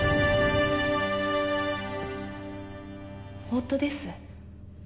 夫です。